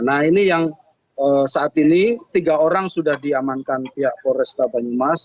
nah ini yang saat ini tiga orang sudah diamankan pihak polresta banyumas